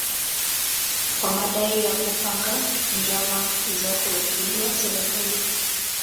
kwa madai ya kupanga njama za kuipindua serikali